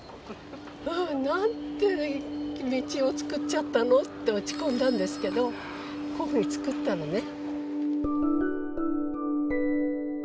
「なんて道を造っちゃったの！？」って落ち込んだんですけどこういうふうに造ったのね。